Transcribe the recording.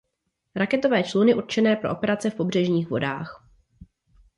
Raketové čluny určené pro operace v pobřežních vodách.